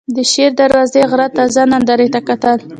د شېر دروازې غره تازه نندارې ته کتل.